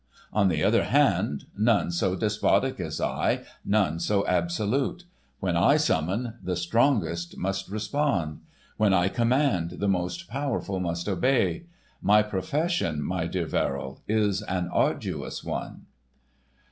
On the other hand, none so despotic as I, none so absolute. When I summon, the strongest must respond; when I command, the most powerful must obey. My profession, my dear Verrill, is an arduous one."